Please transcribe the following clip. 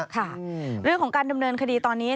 ค่ะเรื่องของการดำเนินคดีตอนนี้